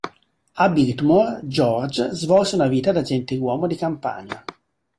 A Biltmore, George svolse una vita da gentiluomo di campagna.